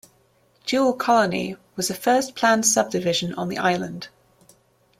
Jewell Colony was the first planned subdivision on the island.